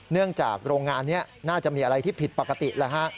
เนื่องจากโรงงานนี้น่าจะมีอะไรที่ผิดปกติแล้วฮะ